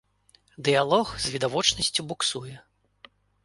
Дыялог з відавочнасцю буксуе.